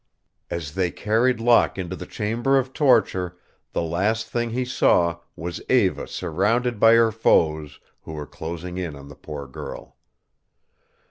As they carried Locke into the chamber of torture the last thing he saw was Eva surrounded by her foes, who were closing in on the poor girl.